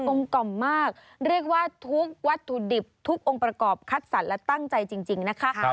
กล่อมมากเรียกว่าทุกวัตถุดิบทุกองค์ประกอบคัดสรรและตั้งใจจริงนะคะ